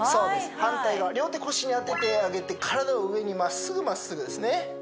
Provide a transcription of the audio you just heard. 反対側両手腰に当てて上げて体を上にまっすぐまっすぐですね